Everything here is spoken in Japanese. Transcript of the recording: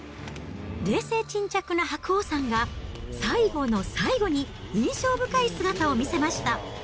冷静沈着な白鵬さんが、最後の最後に印象深い姿を見せました。